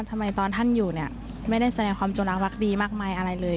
ทำไมตอนท่านอยู่เนี่ยไม่ได้แสดงความจงรักดีมากมายอะไรเลย